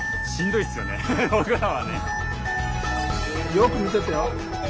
よく見ててよ。